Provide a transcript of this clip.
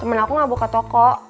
cuma aku gak buka toko